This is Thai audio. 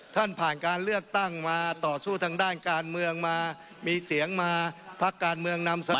ผ่านการเลือกตั้งมาต่อสู้ทางด้านการเมืองมามีเสียงมาพักการเมืองนำเสนอ